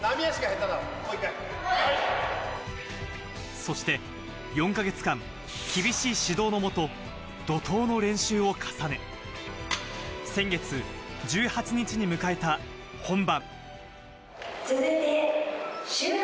そして４か月間、厳しい指導のもと、怒とうの練習を重ね、先月１８日に迎えた本番。